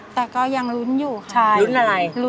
แต่ก็ยังลุ้นอยู่ครับ